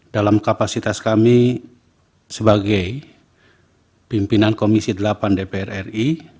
dalam kapasitas kami sebagai pimpinan komisi delapan dpr ri